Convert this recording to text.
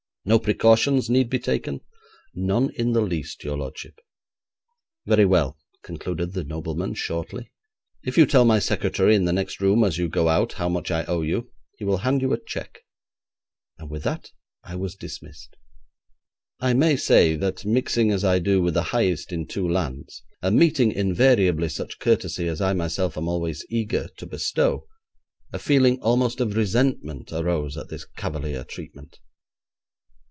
'No precautions need be taken?' 'None in the least, your lordship.' 'Very well,' concluded the nobleman shortly, 'if you tell my secretary in the next room as you go out how much I owe you, he will hand you a cheque,' and with that I was dismissed. I may say that, mixing as I do with the highest in two lands, and meeting invariably such courtesy as I myself am always eager to bestow, a feeling almost of resentment arose at this cavalier treatment.